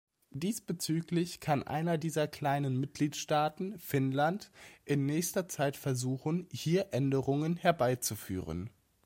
Diesbezüglich kann einer dieser kleinen Mitgliedstaaten, Finnland, in nächster Zeit versuchen, hier Änderungen herbeizuführen.